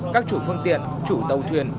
các chủ phương tiện chủ tàu thuyền